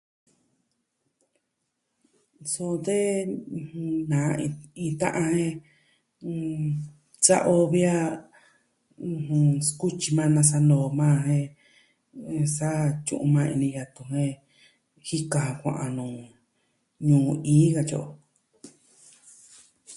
Suu tee na iin ta'an e ɨn... sa'a o vi a ɨjɨn... skutyi maa nasa'a noo maa jen sa tyu'un maa ini yatu jen, jika kua'an noo ñuu ii katyi o.